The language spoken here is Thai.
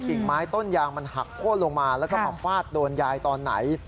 กิ่งไม้ต้นยางมันหักโค้นลงมาแล้วก็มาฟาดโดนยายตอนไหน